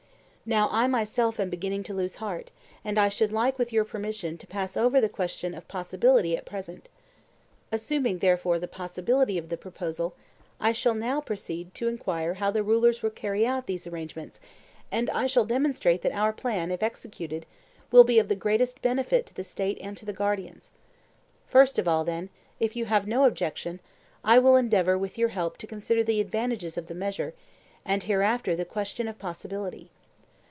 Now I myself am beginning to lose heart, and I should like, with your permission, to pass over the question of possibility at present. Assuming therefore the possibility of the proposal, I shall now proceed to enquire how the rulers will carry out these arrangements, and I shall demonstrate that our plan, if executed, will be of the greatest benefit to the State and to the guardians. First of all, then, if you have no objection, I will endeavour with your help to consider the advantages of the measure; and hereafter the question of possibility.